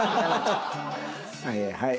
はいはい。